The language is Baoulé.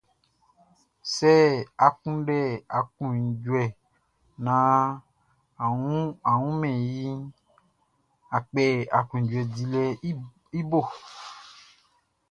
Sɛ a kunndɛ aklunjuɛ naan a wunmɛn iʼn, a kpɛ aklunjuɛ dilɛʼn i bo.